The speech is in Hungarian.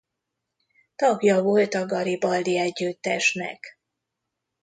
Tagja volt a Garibaldi együttesnek.